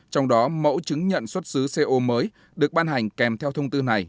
trong đó mẫu chứng nhận xuất xứ co mới được ban hành kèm theo thông tư này